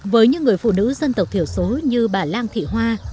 với những người phụ nữ dân tộc thiểu số như bà lan thị hoa